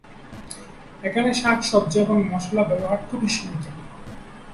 এখানে শাক সবজি এবং মসলার ব্যবহার খুবই সীমিত।